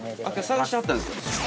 ◆探してはったんですか？